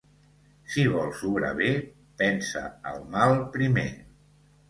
Si vols obrar bé, pensa el mal primer.